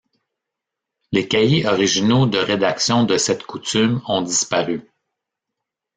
Les cahiers originaux de rédaction de cette coutume ont disparu.